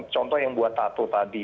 contoh yang buat tato tadi